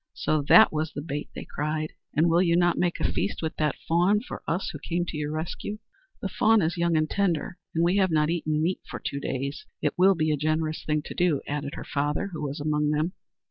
"So that was the bait!" they cried. "And will you not make a feast with that fawn for us who came to your rescue?" "The fawn is young and tender, and we have not eaten meat for two days. It will be a generous thing to do," added her father, who was among them.